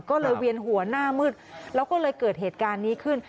ก็เลยเวียนหัวหน้ามืดแล้วก็เลยเกิดเหตุการณ์นี้ขึ้น